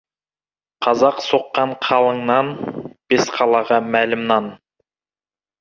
Қазақ соққан қалың нан, Бесқалаға мәлім нан.